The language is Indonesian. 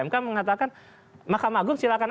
mk mengatakan mahkamah agung silahkan